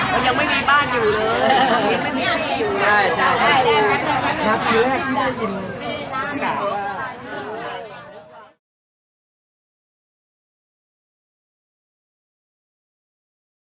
อ๋อมันยังไม่มีบ้านอยู่เลยยังไม่มีอยู่เลยใช่ใช่นับ